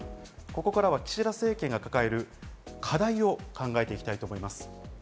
ここからは岸田政権が抱える課題を考えていきたいと思います。